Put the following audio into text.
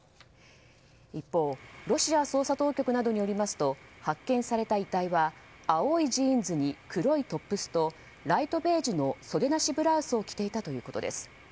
一方ロシア捜査当局などによりますと発見された遺体は青いジーンズに黒いトップスとライトベージュの袖なしブラウスを着ていたということです。